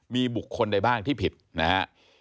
มีบุคคลใดบ้างที่ผิดนะฮะ